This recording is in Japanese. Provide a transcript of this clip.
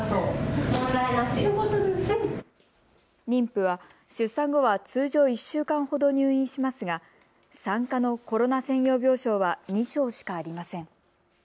妊婦は出産後は通常１週間ほど入院しますが産科のコロナ専用病床は２床しかありません。